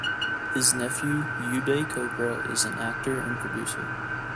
His nephew Uday Chopra is an actor and producer.